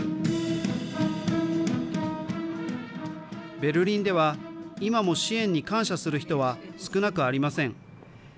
ベルリンでは、今も支援に感謝する人は少なくありません。